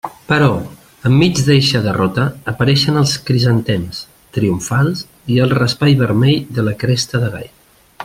Però, enmig d'eixa derrota, apareixen els crisantems triomfals i el raspall vermell de la cresta de gall.